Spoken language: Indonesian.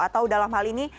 atau dalam hal ini